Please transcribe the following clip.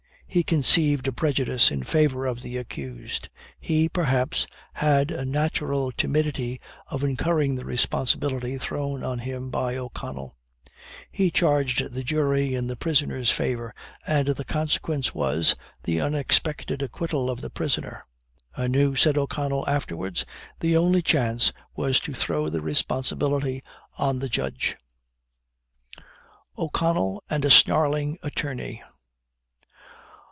He conceived a prejudice in favor of the accused. He, perhaps, had a natural timidity of incurring the responsibility thrown on him by O'Connell. He charged the jury in the prisoner's favor, and the consequence was, the unexpected acquittal of the prisoner. "I knew," said O'Connell afterwards, "the only chance was to throw the responsibility on the judge." O'CONNELL AND A SNARLING ATTORNEY.